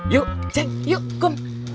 yuk ceng yuk kum